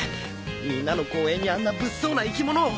みんなの公園にあんな物騒な生き物を！